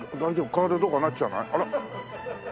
体どうかなっちゃわない？